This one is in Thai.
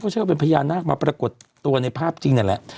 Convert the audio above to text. เชื่อว่าเป็นพญานาคมาปรากฏตัวในภาพจริงนั่นแหละ